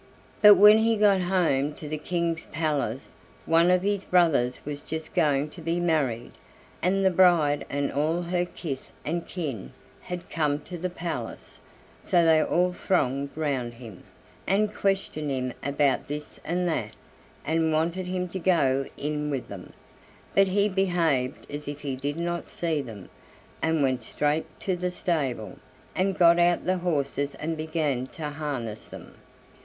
But when he got home to the King's palace one of his brothers was just going to be married, and the bride and all her kith and kin had come to the palace; so they all thronged round him, and questioned him about this and that, and wanted him to go in with them; but he behaved as if he did not see them, and went straight to the stable, and got out the horses and began to harness them.